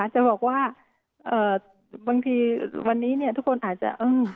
จะบอกว่าบางทีวันนี้เนี่ยทุกคนอาจจะ